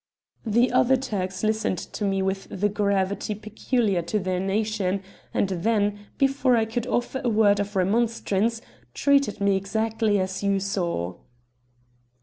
The other Turks listened to me with the gravity peculiar to their nation, and then, before I could offer a word of remonstrance, treated me exactly as you saw."